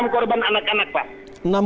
enam korban anak anak pak